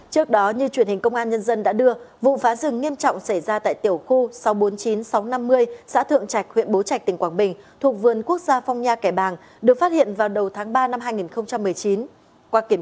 trước đó như truyền hình công an nhân dân đã đưa vụ phá rừng nghiêm trọng xảy ra tại tiểu khu sáu trăm bốn mươi chín sáu trăm năm mươi xã thượng trạch huyện bố trạch tỉnh quảng bình thuộc vườn quốc gia phong nha kẻ bàng được phát hiện vào đầu tháng ba năm hai nghìn một mươi chín